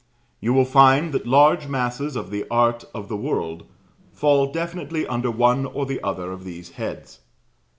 You will find that large masses of the art of the world fall definitely under one or the other of these heads.